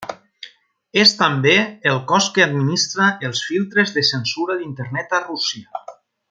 És també el cos que administra els filtres de censura d'Internet a Rússia.